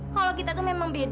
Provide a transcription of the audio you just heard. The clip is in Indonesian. kalau kita tuh memang beda